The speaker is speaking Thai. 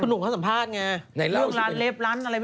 แล้วก็ถึงคนหนูเขาสัมภาษณ์ไง